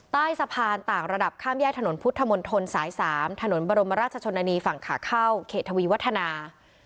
ใต้สะพานต่างระดับข้ามแยกถนนพุทธมนตรสาย๓ถนนบรมราชชนนานีฝั่งขาเข้าเขตทวีวัฒนา